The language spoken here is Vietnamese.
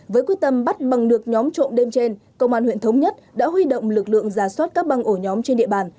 với quyết tâm bắt bằng được nhóm trộm đêm trên công an huyện thống nhất đã huy động lực lượng ra soát các băng ổ nhóm trên địa bàn